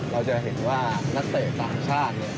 เราจะเห็นว่านักเตะต่างชาติเนี่ย